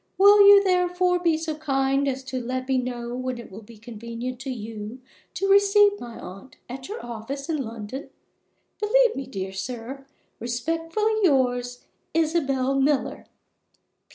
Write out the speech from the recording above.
Will you, therefore, be so kind as to let me know when it will be convenient to you to receive my aunt at your office in London? Believe me, dear sir, respectfully yours, ISABEL MILLER.